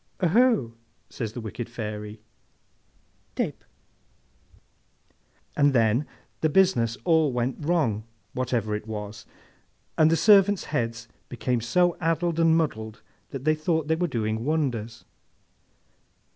'Oho!' says this wicked Fairy. '—Tape!' And then the business all went wrong, whatever it was, and the servants' heads became so addled and muddled that they thought they were doing wonders.